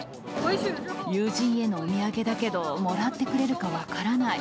友人へのお土産だけど、もらってくれるか分からない。